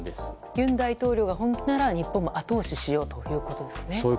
尹大統領が本気なら日本も後押しようということですよね。